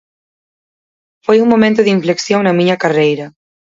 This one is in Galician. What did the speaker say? Foi un momento de inflexión na miña carreira.